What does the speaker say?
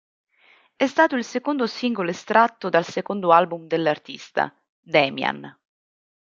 È stato il secondo singolo estratto dal secondo album dell'artista, "Demian".